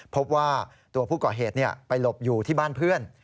พบว่าตัวผู้ก่อเหตุไปหลบอยู่ที่บ้านเพื่อน